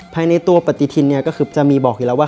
ภายในตัวปฏิทินเนี่ยก็คือจะมีบอกอยู่แล้วว่า